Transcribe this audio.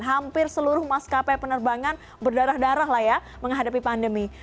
hampir seluruh maskapai penerbangan berdarah darah lah ya menghadapi pandemi